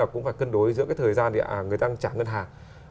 cần đối giữa thời gian người ta trả ngân hàng